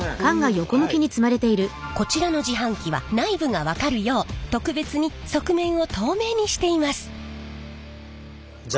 こちらの自販機は内部が分かるよう特別に側面を透明にしています。